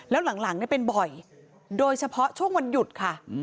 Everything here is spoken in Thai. แล้วหลังเป็นบ่อยโดยเฉพาะช่วงวันหยุดค่ะ